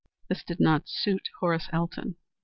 This did not suit Horace Elton.